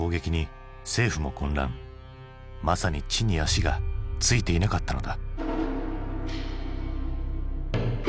まさに地に足がついていなかったのだ。